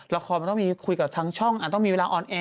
ละครมันต้องมีคุยกับทางช่องต้องมีเวลาออนแอร์